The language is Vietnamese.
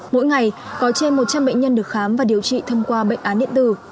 mỗi ngày có trên một trăm linh bệnh nhân được khám và điều trị thông qua bệnh án điện tử